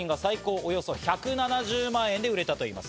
およそ１７０万円で売れたといいます。